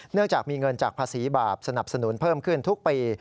เนื่องจากมีเงินจากภาษีบาปสนับสนุนเพิ่มขึ้นทุกปี